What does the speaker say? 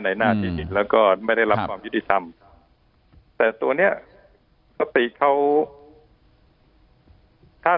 ในหน้าจริงแล้วก็ไม่ได้รับความยุติธรรมแต่ตัวเนี่ยปฏิเขา